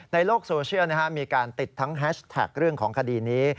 ในโลกโซเชียลมีการติดทั้งแฮชแท็กเรื่องของคดีนี้